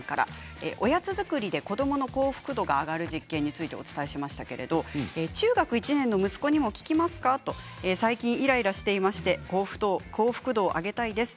おやつ作りで子どもの幸福度が上がる実験についてお伝えしましたが中学１年の息子にも効きますかと最近イライラしていて幸福度を上げたいです。